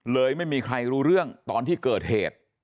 ไม่มีใครรู้เรื่องตอนที่เกิดเหตุ